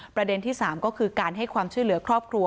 ประเด็นที่๓ก็คือการให้ความช่วยเหลือครอบครัว